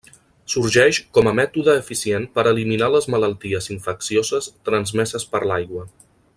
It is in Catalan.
Sorgeix com a mètode eficient per a eliminar les malalties infeccioses transmeses per l'aigua.